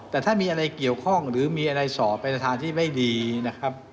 แต่ถ้ามีอะไรเกี่ยวข้องหรือมีอะไรสอบไปในทางที่ไม่ดีนะครับ